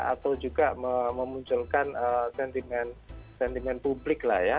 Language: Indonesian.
atau juga memunculkan sentimen publik lah ya